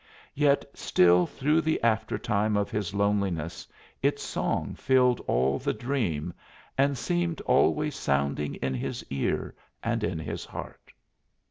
Yet still through the aftertime of his loneliness its song filled all the dream, and seemed always sounding in his ear and in his heart.